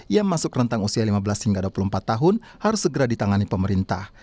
yang masuk rentang usia lima belas hingga dua puluh empat tahun harus segera ditangani pemerintah